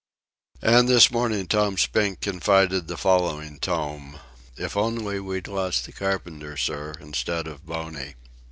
And this morning Tom Spink confided the following tome: "If only we'd lost the carpenter, sir, instead of Boney."